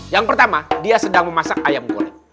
yang pertama dia sedang memasak ayam goreng